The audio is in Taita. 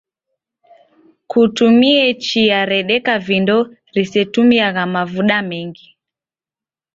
Kutumie chia redeka vindo risetumiagha mavuda mengi.